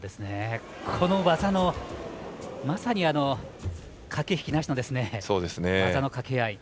この技のまさに駆け引きなしの技のかけ合い。